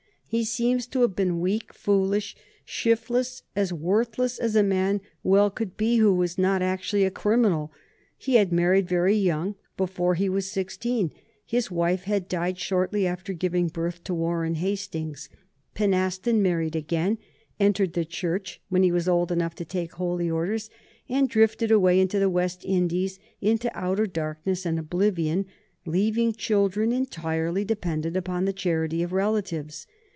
He seems to have been weak, foolish, shiftless, as worthless as a man well could be who was not actually a criminal. He had married very young, before he was sixteen; his wife had died shortly after giving birth to Warren Hastings. Pynaston married again, entered the Church, when he was old enough to take holy orders, and drifted away into the West Indies into outer darkness and oblivion, leaving children entirely dependent upon the charity of relatives.